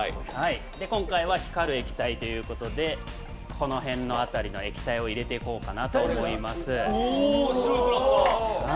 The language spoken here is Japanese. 今回は光る液体ということでこの辺のあたりの液体を入れていこうかなと思います。